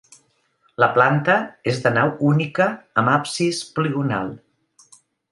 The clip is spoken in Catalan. La planta és de nau única amb absis poligonal.